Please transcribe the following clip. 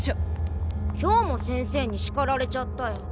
今日も先生にしかられちゃったよ。